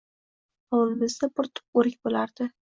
Hovlimizda bir tup o‘rik bo‘lardi.